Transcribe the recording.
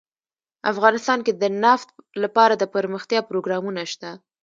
افغانستان کې د نفت لپاره دپرمختیا پروګرامونه شته.